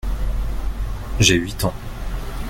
J’ai huit ans.